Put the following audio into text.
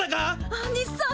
アニさん！